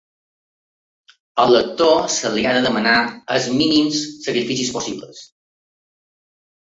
Al lector se li ha de demanar els mínims sacrificis possibles.